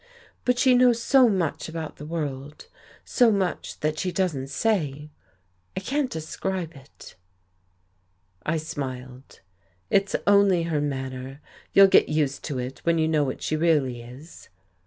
But she knows so much about the world so much that she doesn't say. I can't describe it." I smiled. "It's only her manner. You'll get used to that, when you know what she really is."